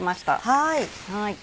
はい。